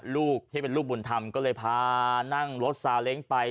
ลูกที่เป็นลูกบุญธรรมก็เลยพานั่งรถซาเล้งไป